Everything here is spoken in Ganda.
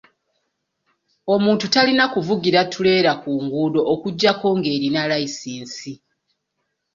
Omuntu talna kuvugira ttuleera ku nguudo okuggyako ng'erina layisinsi.